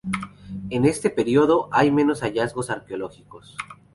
En este periodo hay menos hallazgos arqueológicos.